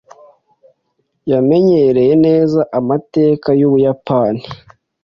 Yamenyereye neza amateka yUbuyapani.